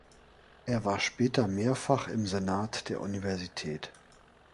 Er war später mehrfach im Senat der Universität.